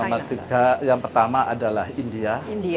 nomor tiga yang pertama adalah india